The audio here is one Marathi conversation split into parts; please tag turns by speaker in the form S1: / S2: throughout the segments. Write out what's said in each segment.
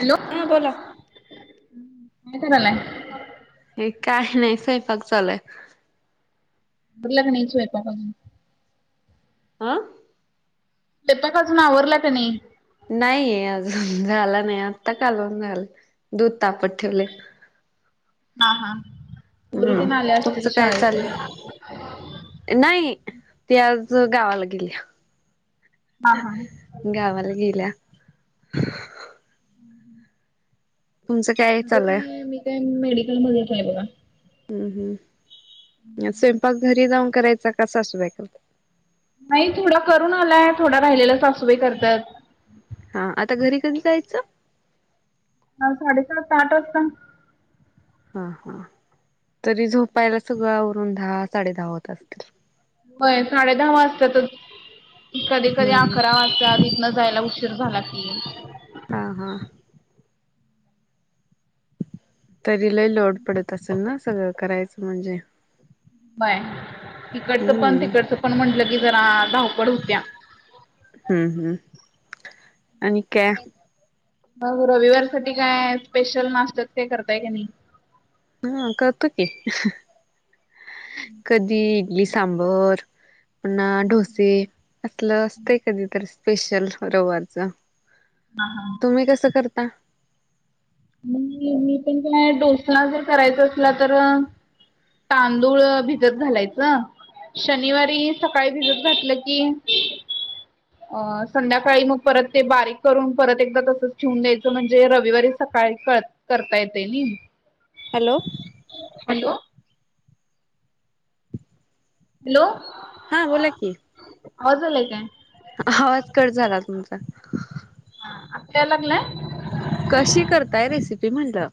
S1: हॅलो
S2: हा बोला.
S1: काय करालाय.
S2: हे काही नाही स्वयंपाक चालू आहे.
S1: झाल का नाही स्वयंपाक अजून?
S2: आं.
S1: स्वयंपाक अजून आवरला का नाही?
S2: नाहीय अजून झाला नाही आत्ता कालवण झालं दूध तापत ठेवले.
S1: हा हा पोरी
S2: हम्म
S1: तेन आले असतील
S2: तुमचं काय
S1: शाळेतून.
S2: चाललंय? नाही ती आज गावाला गेल्या.
S1: हा हा
S2: गावाला गेल्या. तुमचं काय
S1: माझं
S2: चालूय
S1: काय? मी काय मेडिकलमध्येच आहे बघा.
S2: हम्म हम्म. स्वयंपाक घरी जाऊन करायचां, का सासूबाई करतात?
S1: नाय थोडं करून आलाय, थोडं राहिलेलं सासूबाई करत्यात.
S2: हा आता घरी कधी जायचं?
S1: हा साडेसात आठ वाजता.
S2: हा हा. तरी झोपायला सगळं आवरून दहा साडेदहा होत असतील.
S1: होय साडे दहा वाजत्यातच. कधी कधी
S2: हम्म
S1: अकरा वाजत्यात इथनं जायला उशी उशीर झाला की,
S2: हा. हा. तरी लय लोड पडत असेल ना, सगळं करायचं म्हणजे?
S1: व्हय इकडचं पण
S2: हम्म
S1: तिकडचं पण म्हणलं की जरा धावपळ होत्या.
S2: हम्म हम्म.. आणि काय,
S1: मग रविवार साठी काय स्पेशल, नाश्त्यात काय करताय की नाही.
S2: हा करतो की, कधी इडली सांबर. पुन्हा डोसे असलं असतं, कधीतरी स्पेशल रविवारच.
S1: हा हा.
S2: तुम्ही कसं करता?
S1: मग मी पण काय डोसा जर करायचा असला तर तांदूळ भिजत घालायचं. शनिवारी सकाळी भिजत घातलं की, अ संध्याकाळी मग परत ते बारीक करून परत एकदा तसंच ठेवून द्यायचं म्हणजे रविवारी सकाळी क -करता येतंय नी.
S2: Hello,
S1: hello, hello.
S2: हां बोला की.
S1: आवाज आलाय काय.
S2: आवाज कट झाला तुमचा.
S1: आत्ता याय लागलाय?
S2: कशी करताय रेसिपी म्हणलं?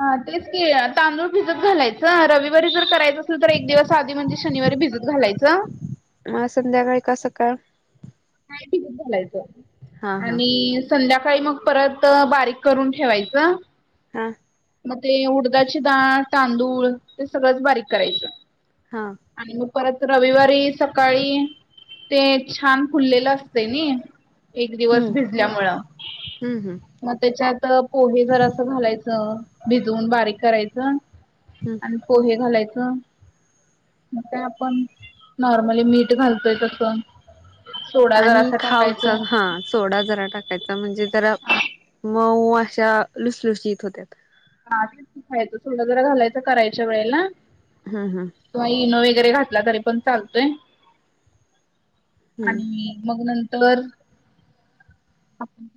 S1: हा तेच की तांदूळ भिजत घालायचं. रविवारी जर करायचं असलं तर एक दिवस आधी म्हणजे शनिवारी भिजत घालायचं.
S2: मग आज संध्याकाळी का सकाळ.
S1: [unintelligible] झालायचं
S2: हा हा
S1: आणि संध्याकाळी मग परत बारीक करून ठेवायचं.
S2: हा.
S1: मग ते उडदाची डाळ, तांदूळ सगळंच बारीक करायचं.
S2: हा.
S1: आणि मग परत रविवारी, सकाळी ते छान. फुलेल असते नी, एक दिवस
S2: हम्म
S1: भिजल्यामुळं.
S2: हम्म हम्म
S1: मग त्याच्यात पोहे जरासं घालायचं, भिजवून बारीक करायचं.
S2: हम्म
S1: आणि पोहे घालायचं. मग काय आपण, नॉर्मली मीठ घालतोय तसं. सोडा
S2: आणि
S1: जरासं टाकायच.
S2: खावचा हा सोडा जरा टाकायचा म्हणजे जरा मऊ अशा लुसलुशीत होत्यात.
S1: हा तेच की करायचं सोडा जरा घालायचं करायच्या वेळेला.
S2: हम्म हम्म.
S1: किंवा इनो वगैरे घातला तरी पण चालतोय.
S2: हम्म
S1: आणि मग नंतर,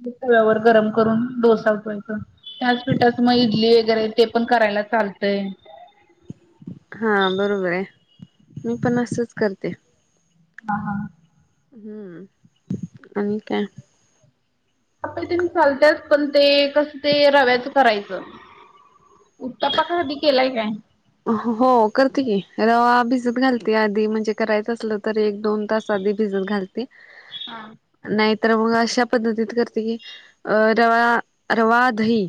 S1: तव्यावर गरम करून डोसा बनवायचा, त्याचं पिठाची मग इडली. इडली वगैरे ते पण करायला चालतंय.
S2: हा बरोबर हाय, मी पण असंच करते.
S1: हा हा.
S2: हम्म आणि काय?
S1: आप्पे तेन चालत्यात, पण ते कसं ते रव्याचं करायचं. उत्तापा कधी केलाय कायं.
S2: हो करते की, रवा भिजत घालते आधी म्हणजे करायचं असलं तर एक दोन तास. आधी भिजत घालते.
S1: हां.
S2: नाहीतर मग अशा पद्धतीत करते की, अ रवा, रवा दही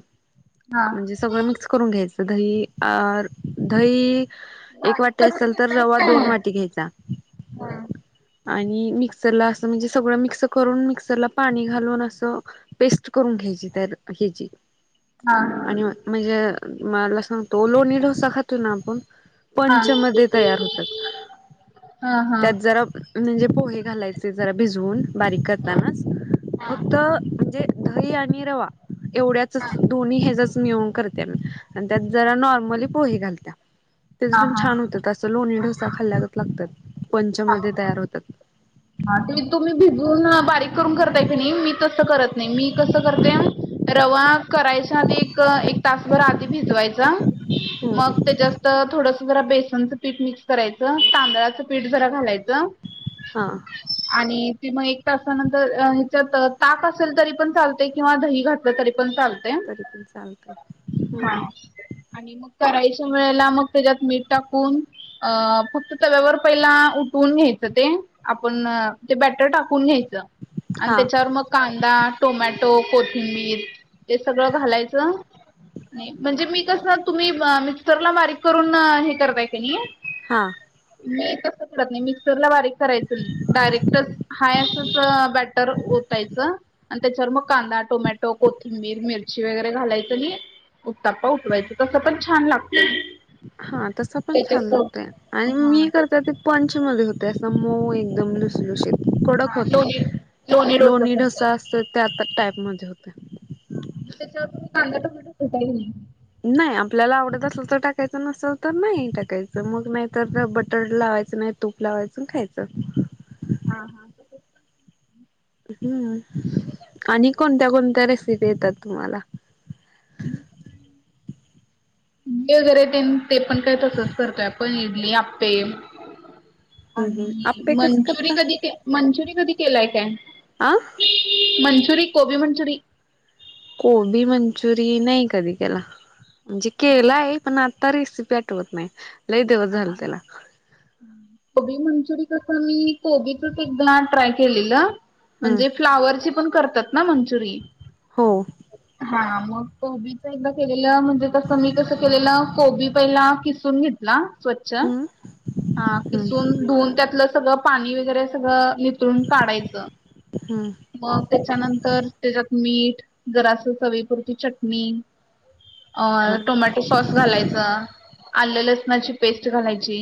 S1: हा.
S2: म्हणजे सगळं मिक्स करून घ्यायचं, दही आर दही एक
S1: बारीक
S2: वाटी
S1: करून
S2: असेल तर,
S1: घेताय
S2: रवा दोन
S1: काय?
S2: वाटी घ्यायचा.
S1: हा.
S2: आणि मिक्सरला असं म्हणजे सगळं मिक्स करून मिक्सरला पाणी घालून असं पेस्ट करून घ्यायची तर ह्याची
S1: हा
S2: आणि म्हणजे मला सांग तो लोणी ढोसा खातो ना आपण
S1: हा हा
S2: पंचमध्ये तयार होतात,
S1: हा.
S2: त्यात जरा. म्हणजे पोहे घालायचे जरा भिजवून बारीक करतानाच. फक्त म्हणजे दही आणि रवा एवढ्याचच दोन्ही हेजच. मिळवून करत्यात आणि त्यात जरा नाॅर्मली पोहे घालत्यात.
S1: हा
S2: तेचपिन
S1: हा.
S2: छान होत्यात. ते असं लोणी डोसा खाल्लागत लागतंय,
S1: हा.
S2: पंचमध्ये तयार होतात.
S1: हा ते तुम्ही भिजून बारीक करून करताय कणी, मी तसं करत नाही मी कसं करते. रवा करायच्या आधी एक, एक तासभर आधी भिज भिजवायच मग ते जास्त, थोडंसं जरा बेसनच. पीठ मिक्स करायचं, तांदळाचं पीठ जरा घालायचं.
S2: हां.
S1: आणि ते मग एक तासानंतर ह्याच्यात ताक असेल तरी पण चालते किंवा दही घात घातल तरी पण चालते,
S2: तरी पण चालतय
S1: हा..
S2: हम्म
S1: आणि मग करायच्या वेळेला मग, तेच्यात मीठ टाकून. अ.. फक्त तव्यावर पहिला, उठवून घ्यायचं ते. आपण ते बॅटर टाकून घ्यायचं आणि
S2: हा
S1: त्याच्यावर मग कांदा, टोमॅटो, कोथिंबीर हे सगळं घालायचं. नाही, म्हणजे मी कसं तुम्ही मिक्सरला बारीक करून हे करताय का नाही
S2: हा...
S1: मी तसं करतं नाही, मिक्सर ला बारीक करायच नाही, डायरेक्टच हाय असं. च ब्याटर ओतायच. आणि तेच्यावर मग कांदा टोमॅटो कोथिंबीर मिरची वगैरे घालायचं आणि. उताप्पा उठवायचं तसं, पण छान लागतंय.
S2: हा.. तसं पण छान लागतंय. आणि
S1: हा
S2: मी करतोय ते. पंच मध्ये होतंय असा मऊ एकदम लुसलुशीत. कडक
S1: हा
S2: होत
S1: लोणी
S2: नाही, लोणी डोसा
S1: सारखं
S2: असतोय त्या आता टाईप मध्ये होतोय.
S1: त्याच्यावर तुम्ही कांदा [unintelligible]
S2: नाही आपल्याला आवडत असल तर टाकायचं. नसेल तर नाही टाकायचं, मग नाहीतर बटर लावायचं नाही तर. तूप लावायचं खायचं.
S1: हा हा..
S2: हम्म.. आणि कोणत्या कोणत्या रेसिपी येतात तुम्हाला.
S1: हं. इडली वगैरे तेन तेपण काय तसंच करतोय आपण इडली, आप्पे
S2: हम् हम्
S1: आणि
S2: आपे कसं
S1: मंचुरी
S2: करता
S1: कधी के मंचुरी कधी केलाय काय?
S2: आं..
S1: मंचुरी कोबी मंचुरी
S2: कोबी मंचुरि नाही कधी केला, म्हणजे केलाय पण आ या रेसिपी आठवत नाही, लय दिवस झालं त्याला.
S1: ह कोबी मंचुरी करता मी कोबीचच एकदा ट्राय केलेलं.
S2: हम्म
S1: म्हणजे फ्लावरची पण करतात ना मंचुरिन?
S2: हो.
S1: हां मग कोबीच एकदा केलेलं, म्हणजे कस मी कसं केलेलं कोबी पहिला किस् तून घेतला च
S2: हम्म
S1: हा
S2: हम्म
S1: किसून धून त्यातलं सगळं पाणी वगैरे सगळं तून काढायचं.
S2: हम्म
S1: मग तेच्यानंतर त्यांच्यात मीठ, जरासं चवीपुरती चटणी. अ
S2: हा
S1: टोमॅटो सॉस घालायचा, आलं लसणाची पेस्ट घालायची.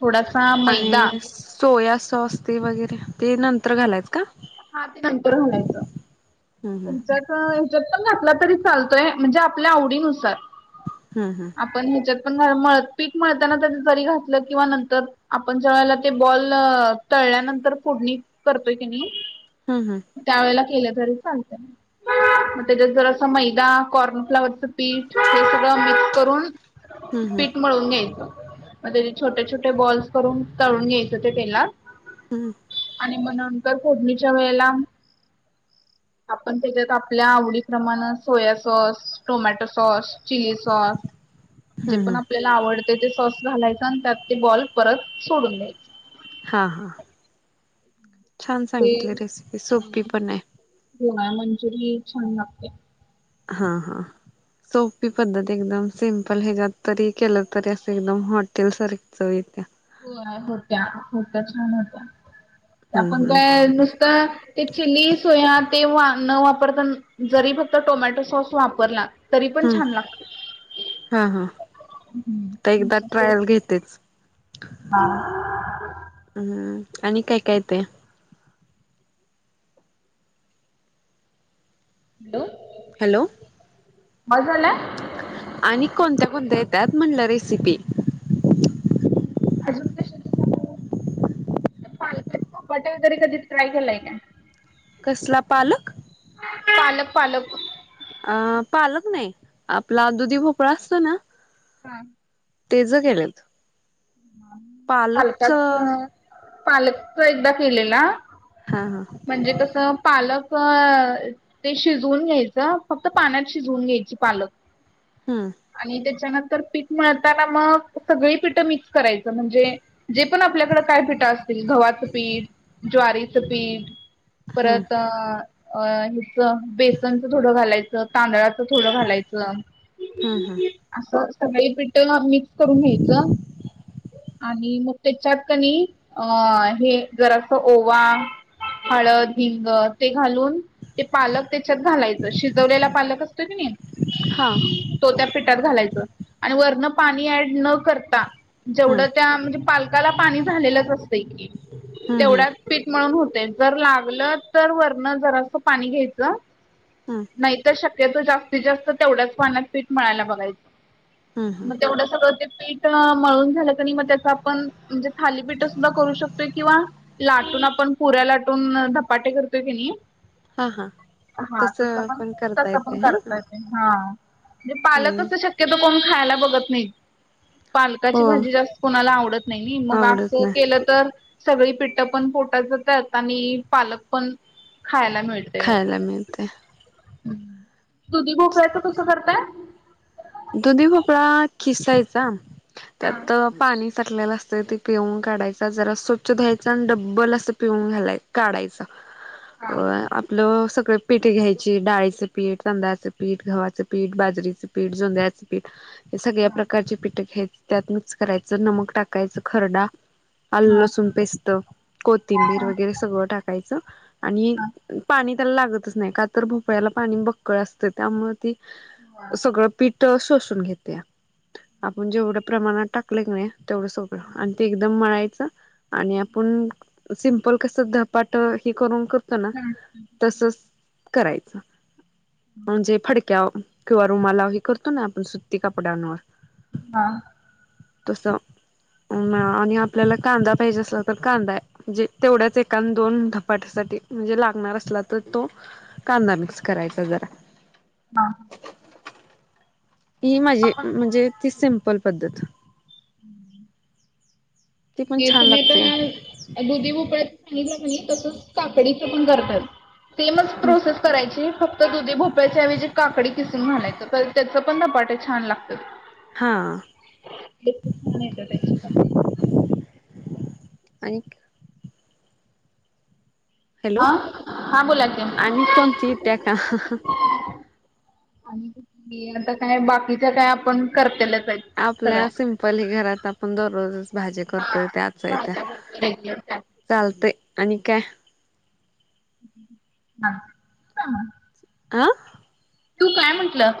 S1: थोडासा मैदा
S2: आणि सोया सॉस ते वगैरे ते, नंतर घालायच कां.
S1: हा ते नंतर घालायचं,
S2: हम्म हम्म
S1: तुमच ह्याच्यात पण घातला तरी चालतोय म्हणजे आपल्या आवडीनुसार
S2: हम्म हम्म..
S1: आपण ह्याच्यात पण पीठ मळताना त्यात जरी घातलं किंवा नंतर आपण ज्या वळेला ते बॉल तळल्यानंतर फोडणी करतोय कणी.
S2: हम्म हम्म‌.
S1: त्यावेळेला केलं तरी चालतंय. मग तेच्यात जरा असं मैदा, कॉर्नफ्लावरच पीठ हे सगळं मिक्स करून.
S2: हम्म हम्म
S1: पीठ मळून घ्यायचं. मग त्यांचे छोटे छोटे बॉल्स करून, तळून घ्यायचं तेलात.
S2: हम्म.
S1: आणि मग नंतर फोडणीच्या वेळेला. आपण तेच्यात आपल्या, आवडीप्रमाण soya sauce tomato sauce. Chilli sauce जे
S2: हम्म
S1: पण
S2: हम्म
S1: आपल्याला आवडते ते सॉस घालायचं. आणि त्यात ते बॉल परत सोडून द्यायचं.
S2: हा हा.. छान
S1: ते
S2: सांगितले रेसिपी सोपी पण आहे.
S1: [unintelligible] मंचुरी छान लागत्या.
S2: हा हा. सोपी पद्धत एकदम सिम्पल ह्याच्यात तरी केलं तरी असं एकदम हॉटेल सारखी चव येत्या.
S1: होय होत्या. होत्या छान होत्या.
S2: हम्म
S1: आपण
S2: हम्म
S1: काय नुस तर ते चिली सोया तेव्हा न वापर पण जरी फक्त टोमॅटो सॉस वापरला. तरी पण
S2: हम्म.
S1: छान लागते.
S2: हा हा. काय एकदा ट्रायल घेत तेच,
S1: हा.
S2: हम्म आणि काय काय येतंय?
S1: हॅलो,
S2: हॅलो,
S1: बास झालं.
S2: आणि कोणत्या कोणत्या येत्यात म्हटलं रेसिपी.
S1: अजून कशाच सांगु? पालकाचे धपाटे वगैरे कधी ट्राय केलाय काय?
S2: कसला पालक?
S1: पालक पालक.
S2: अ पालक नाही, आपला दुधी भोपळा असतो ना.
S1: हा.
S2: तेज केलेत. पालकच हा
S1: पालकाचं पालकचं एकदा केलेला.
S2: हा हा..
S1: म्हणजे कसं पालक. ते शिजवून घ्यायचं फक्त पाण्यात शिजवून घ्यायची पालक.
S2: हम..
S1: आणि त्याच्यानंतर पीठ मिळताना मग, सगळी पीठ मिक् करायचं म्हणजे जे पण आपल्याकडं, काय पिठं असतील गव्हाचं पीठ. ज्वारी पिठ.
S2: हम्म
S1: परत अ.. हेच बेसनच थोडं घालायचं. तांदळाच थोडं घालायचं.
S2: हम्म हम्म
S1: असं सगळी पिठं मिक्स करून घ्यायचं. आणि मग तेच्यात कणी अ.. हे जरासं ओवा. हळद हिंग ते घालून ते पालक तेच्यात घालायचं. शिजवलेला पालक असतोय कणी.
S2: हा
S1: तो त्या पिठात घालायच आणि वरन पाणी ऍड न करता जेवढं
S2: हम्म
S1: त्या म्हणजे पालक पालकाला पाणी झालेलंच असतंय की
S2: हम्म हम्म
S1: तेवढ्या पीठ मळून होते जर लागलं तर वरन जरा असं पाणी घ्यायचं.
S2: हम..
S1: नाही तर शक्यतो, जास्तीत जास्त तेवढ्याच पाण्यात पीठ मळायला बघायचं.
S2: हम्म हम्म
S1: मग तेवढं सगळं ते, पीठ मळून झालं कणी मग त्यात. आपण म्हणजे थालीपीठ सुधा करू शकतोय, किंवा लाटून आपण. पुऱ्या लाटून धपाटे करतोय की नाही?
S2: हा हा
S1: हा तसं पण, तसं पण करता येत. हा म्हणजे पालक
S2: हम्म
S1: कसं शक्यतो कोण? खायला बघत नाही. पालकाची
S2: हो
S1: भाजी जास्त कोणाला आवडत नाही. नी मग
S2: आवडत
S1: असं
S2: नाही
S1: केलं तर, सगळी पिठं पण पोटात जातात, आणि पालक पण खायला मिळतं.
S2: खायला मिळते
S1: दुधी भोपळ्याच कसं करताय?
S2: दुधी भोपळा खिसायचा,
S1: हा
S2: त्यात पाणी. साठलेला असतं ते पिळून काढायचा, जरा स्वच्छ धुवायचा आणि डब्बल असं पिळून काढायचं.
S1: [inaudible]
S2: अ.. आपलं सगळं पीठ घ्यायची, डाळीचं पीठ तांदळाचं पीठ गव्हाचं पीठ बाजरीचं पीठ. जोंधळाच पीठ हे सगळ्या
S1: हा
S2: प्रकारचे पीठ घ्यायचं. त्यात करायचं नमक टाकायचं, खरडा. आलं
S1: हा
S2: लसूण पेस्ट कोथिंबीर वगैरे, सगळं टाकायचं आणि पाणी त्याला लागतच नाही का तर, भोपळ्याला पाणी बक्कळ असतं त्यामुळे ती सगळं. पीठ शोसून घेते, आपण जेवढ्या प्रमाणात टाक दाखवले कणी तेवढं सगळं, आणि ते एकदम मळायचं. आणि आपुण सिम्पल कसं, धपाट हे करून कर करतो ना तसंच करायच, म्हणजे फडक्यावर किंवा रूमलाव हे करतो ना, आपण सुती कपडांनवर.
S1: हा..
S2: तस आणि आपल्याला कांदा पाहिजे असला तर कांदा आहे. म्हणजे तेवढ्याच एकान दोन धपाट्यासाठी म्हणजे लागणार असला तर तो? कांदा मिक्स करायचा जरा.
S1: हां..
S2: ही माझी
S1: आपण
S2: म्हणजे, ती सिम्पल पद्धत. ती पण
S1: हे
S2: छान
S1: तुम्ही
S2: लागते
S1: आता. दुधी भोपळ्याच सांगितलं कणी, तसंच काकडीचं पण करतात सेमच प्रोसेस. करायचे फक्त दुधी भोपळ्याच्याऐवजी काकडी किसून घालायचं, तर त्यांच पण धपाट छान लागत्यात.
S2: हा
S1: छान येतात, त्यांची पण.
S2: आणि का हॅलो
S1: हा हा बोला की.
S2: आणि कोणती येत्या का?
S1: आणि आता काय बाकीच्या काय आपण करतेलच आहेत.
S2: आपल्या
S1: सगळ्या.
S2: सिंपल ह घरात आपण दररोजच भाजी करतोय
S1: हा
S2: त्याच आहे त्या.
S1: भाज्या भरपूर रेग्युलर
S2: चालतंय आणि काय.
S1: हा..
S2: आ..
S1: तू काय म्हंटलं?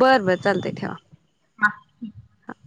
S2: बरं बरं चालतंय ठेवा.
S1: [inaudible]